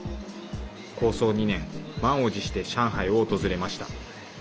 構想２年満を持して上海を訪れました。